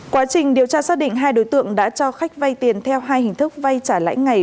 quá trình điều tra xác định hai đối tượng đã cho khách vay tiền theo hai hình thức vay trả lãi ngày